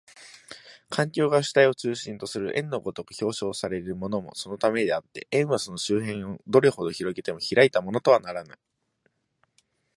環境が主体を中心とする円の如く表象されるのもそのためであって、円はその周辺をどれほど拡げても開いたものとはならぬ。